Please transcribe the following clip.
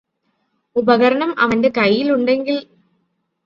ഉപകരണം അവന്റെ കയ്യിലുണ്ടെങ്കില്